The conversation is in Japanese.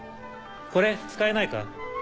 これ使えないか？